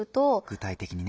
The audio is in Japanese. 具体的にね。